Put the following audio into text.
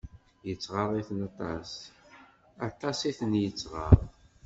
Yettɣaḍ-iten, aṭas i ten-yettɣaḍ.